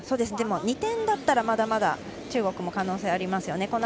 でも、２点だったらまだまだ中国も可能性がありますよね。